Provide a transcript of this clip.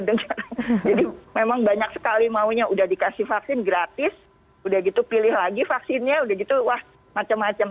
jadi memang banyak sekali maunya udah dikasih vaksin gratis udah gitu pilih lagi vaksinnya udah gitu wah macem macem